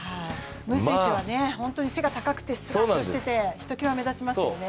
ムー選手は本当に背が高くてすらっとしていて、ひときわ目立ちますよね。